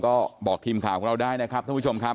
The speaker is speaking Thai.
ก็บอกทีมข่าวของเราได้นะครับท่านผู้ชมครับ